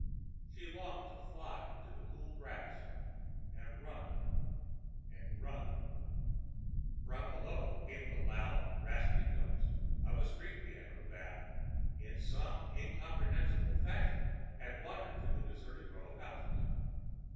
She longed to fly to the cool grass and run—and run—— From below came the loud, rasping notes of a street piano that, in some incomprehensible fashion, had wandered to the deserted row of houses.